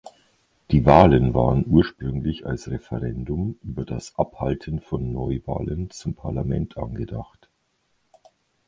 Die Wahlen waren ursprünglich als „Referendum“ über das Abhalten von Neuwahlen zum Parlament angedacht.